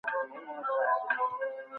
اكثره وخت بيا پر